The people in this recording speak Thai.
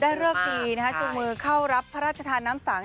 ได้เลือกดีนะครับจุดมือเข้ารับพระราชธาน้ำสัง